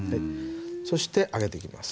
そして揚げていきます。